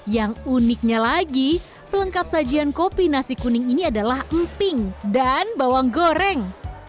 yang uniknya lagi pelengkap sajian kopi nasi kuning ini adalah emping dan bawang goreng